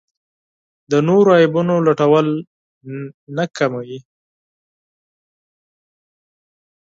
د نورو عیبونو لټول نه کموي.